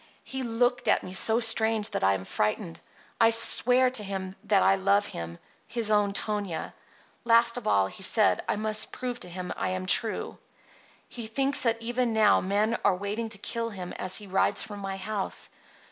He looked at me so strange that I am frightened. I swear to him that I love him, his own Tonia. Last of all he said I must prove to him I am true. He thinks that even now men are waiting to kill him as he rides from my house.